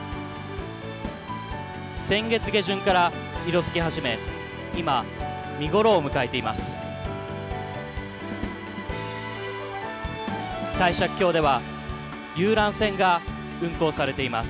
先月下旬から色づき始め、今見ごろを迎えています。